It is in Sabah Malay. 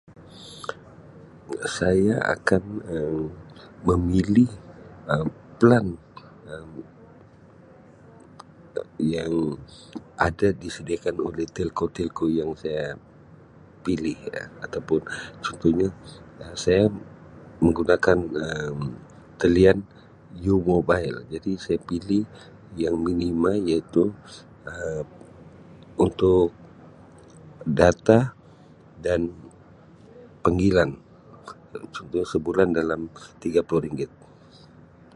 Saya akan Um memilih Um plan Um yang ada disediakan oleh telco-telco yang saya pilih, ya ataupun contohnya saya menggunakan Um talian U-Mobile jadi saya pilih yang minima iaitu Um untuk data dan panggilan sudah sebulan dalam tiga puluh ringgit.